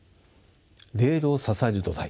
レールを支える土台